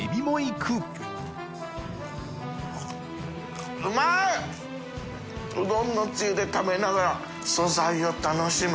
Δ匹鵑つゆで食べながら素材を楽しむ。